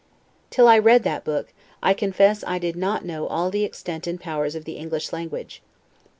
Till I read that book, I confess I did not know all the extent and powers of the English language.